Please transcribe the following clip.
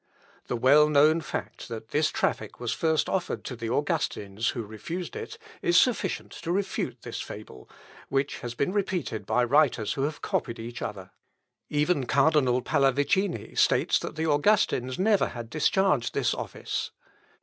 The well known fact that this traffic was first offered to the Augustins, who refused it, is sufficient to refute this fable, which has been repeated by writers who have copied each other; even Cardinal Pallavicini states that the Augustins never had discharged this office.